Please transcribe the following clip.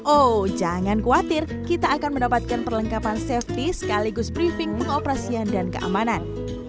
oh jangan khawatir kita akan mendapatkan perlengkapan safety sekaligus briefing pengoperasian dan keamanan